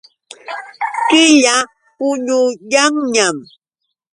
Killa puñuyanñam.